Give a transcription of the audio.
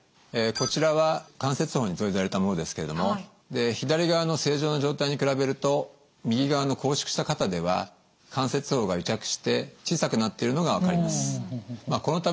こちらは関節包に造影剤を入れたものですけれども左側の正常な状態に比べると右側の拘縮した肩では関節包が癒着して小さくなってるのが分かります。